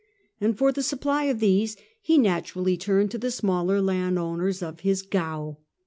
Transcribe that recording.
And for the supply of these he naturally turned to the smaller land owners of his gau.